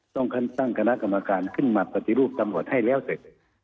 ต้องตั้งคณะกรรมการขึ้นมาปฏิรูปตำรวจให้แล้วเสร็จ